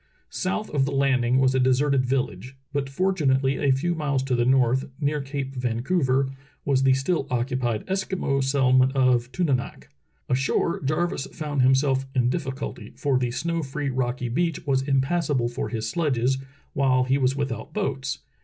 South of the landing was a deserted village, but fort unately a few miles to the north, near Cape Vancouver, was the still occupied Eskimo settlement of Tunanak. Ashore, Jarvis found himself in difficulty, for the snow free rocky beach was impassable for his sledges, while he was without boats.